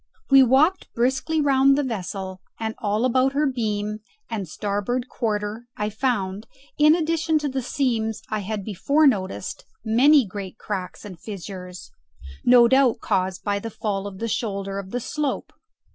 We walked briskly round the vessel, and all about her beam and starboard quarter I found, in addition to the seams I had before noticed, many great cracks and fissures, caused no doubt by the fall of the shoulder of the slope.